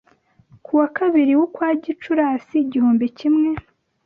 kuwa kabiri w’ukwa Gicurasi igihumbi kimwe